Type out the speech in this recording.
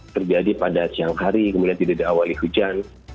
terjadi pada siang hari kemudian tidak diawali hujan